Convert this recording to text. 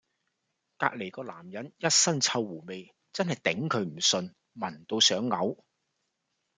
隔離嗰男人 ㄧ 身臭狐味，真係頂佢唔順，聞到想嘔